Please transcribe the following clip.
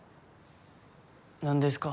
何ですか？